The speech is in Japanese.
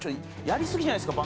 「やりすぎじゃないですか？